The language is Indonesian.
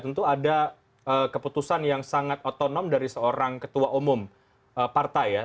tentu ada keputusan yang sangat otonom dari seorang ketua umum partai ya